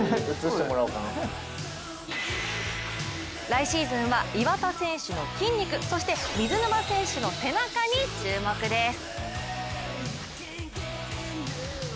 来シーズンは岩田選手の筋肉そして水沼選手の背中に注目です。